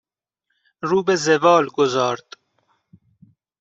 رو به زوال گذارد